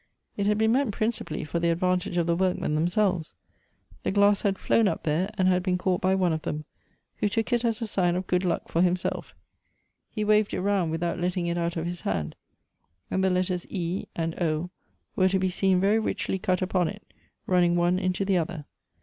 It had been meant principally for the advantage of the workmen themselves. The glass had flown up there, and had been caught by one of them, who took it as a sign of good luck for him self He waved it round without letting it out of his hand, and the letters E and were to be seen very richly cut upon it, running one into the other.